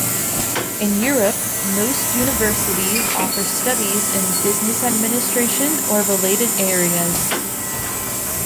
In Europe, most universities offer studies in business administration or related areas.